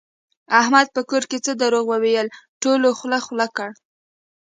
احمد په کور کې څه دروغ وویل ټولو خوله خوله کړ.